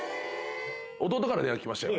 弟からは電話来ましたよ。